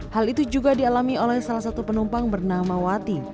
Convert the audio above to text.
hal itu juga dialami oleh salah satu penumpang bernama wati